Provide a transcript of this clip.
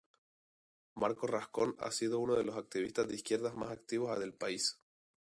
Marco Rascón ha sido uno de los activistas de izquierda más activos del país.